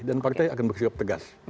dan partai akan bersyarat tegas